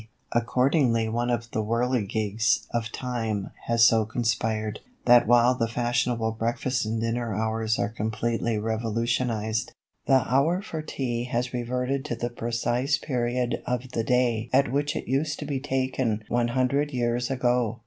Accordingly one of the whirligigs of time has so conspired, that while the fashionable breakfast and dinner hours are completely revolutionised, the hour for Tea has reverted to the precise period of the day at which it used to be taken one hundred years ago.